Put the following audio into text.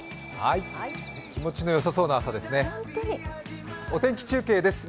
気持ちのよさそうな朝ですね。